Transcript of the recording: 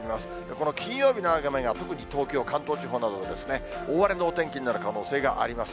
この金曜日の雨が、特に東京、関東地方などで大荒れのお天気になる可能性があります。